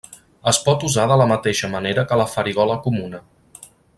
Es pot usar de la mateixa manera que la farigola comuna.